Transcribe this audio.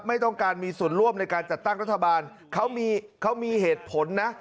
ไม่ต้องการมีส่วนร่วมในการจัดตั้งรัฐบาลเขามีเหตุผลนะ